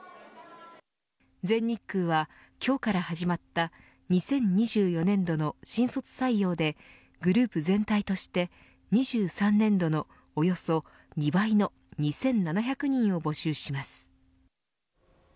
全日空は、今日から始まった２０２４年度の新卒採用でグループ全体として２３年度のおよそ２倍の２７００人を募集します。